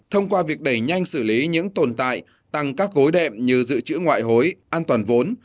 thông qua việc đẩy nhanh xử lý những tồn tại tăng các gối đệm như dự trữ ngoại hối an toàn vốn